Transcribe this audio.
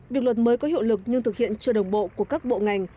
việc luật mới có hiệu lực nhưng thực hiện chưa đồng bộ của các bộ ngành